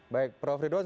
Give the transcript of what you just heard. baik pak firdwan